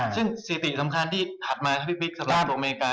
ซึ่งสิทธิสำคัญที่ถัดมาพี่ปิ๊กสำหรับตรงอเมริกา